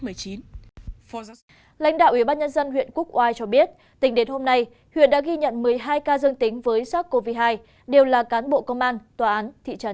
lãnh đạo ủy ban nhân dân huyện quốc oai cho biết tính đến hôm nay huyện đã ghi nhận một mươi hai ca dương tính với sars cov hai đều là cán bộ công an tòa án thị trấn